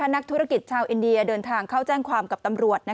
นักธุรกิจชาวอินเดียเดินทางเข้าแจ้งความกับตำรวจ